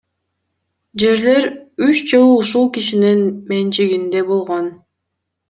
Жерлер үч жыл ушул кишинин менчигинде болгон.